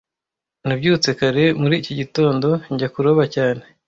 Nabyutse kare muri iki gitondo njya kuroba cyane